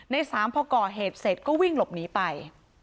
ในสามพอก่อเหตุเสร็จก็วิ่งหลบหนีไป